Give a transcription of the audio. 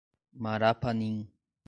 Marapanim